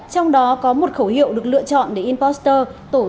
trong đó có một khẩu hiệu được lựa chọn để imposter